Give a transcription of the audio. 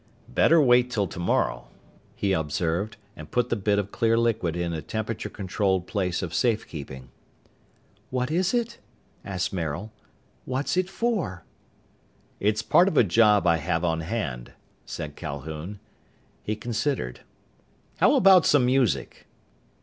"Better wait until tomorrow," he observed, and put the bit of clear liquid in a temperature controlled place of safekeeping. "What is it?" asked Maril. "What's it for?" "It's part of a job I have on hand," said Calhoun. He considered. "How about some music?"